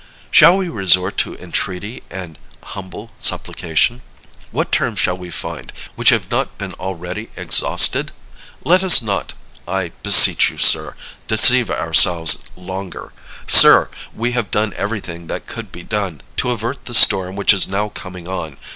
Shall we resort to entreaty and humble supplication? What terms shall we find, which have not been already exhausted? Let us not, I beseech you, sir, deceive ourselves longer. Sir, we have done everything that could be done, to avert the storm which is now coming on.